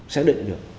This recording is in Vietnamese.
xác định được